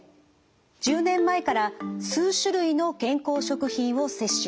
１０年前から数種類の健康食品を摂取。